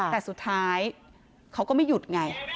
แต่สุดท้ายเขาก็ไม่หยุดไง